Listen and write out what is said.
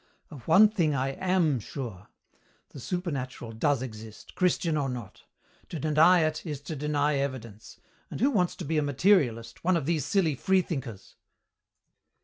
Of one thing I am sure. The supernatural does exist, Christian or not. To deny it is to deny evidence and who wants to be a materialist, one of these silly freethinkers?"